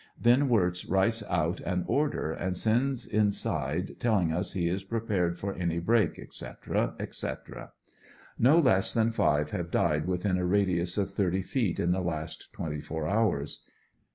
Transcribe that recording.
Then Wirtz writes out an order and sends inside, telling he is prepared for any break, etc., etc. No less than five have died within a radius of thirty feet in the last twenty four hours.